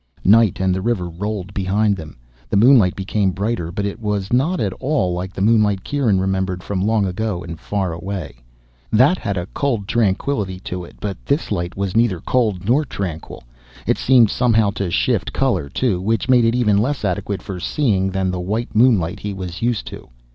Night and the river rolled behind them. The moonlight became brighter, but it was not at all like the moonlight Kieran remembered from long ago and far away. That had had a cold tranquility to it, but this light was neither cold nor tranquil. It seemed somehow to shift color, too, which made it even less adequate for seeing than the white moonlight he was used to.